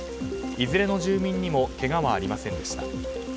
いずれの住民にもけがはありませんでした。